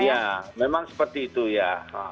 iya memang seperti itu ya